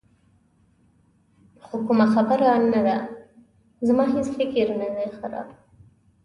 خو کومه خبره نه ده، زما هېڅ فکر نه دی خراب.